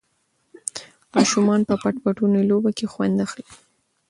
ماشومان په پټ پټوني لوبه کې خوند اخلي.